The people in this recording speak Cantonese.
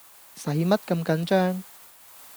駛乜咁緊張